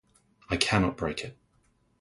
I cannot break it.